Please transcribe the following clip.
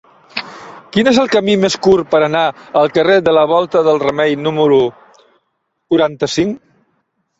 Quin és el camí més curt per anar al carrer de la Volta del Remei número quaranta-cinc?